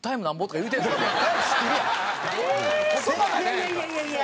いやいやいやいや。